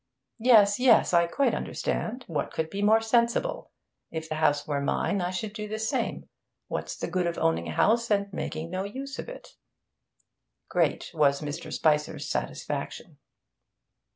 'Yes, yes; I quite understand. What could be more sensible? If the house were mine, I should do the same. What's the good of owning a house, and making no use of it?' Great was Mr. Spicer's satisfaction.